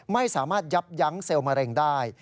ไม่สามารถยับยั้งเซลล์มะเร็งได้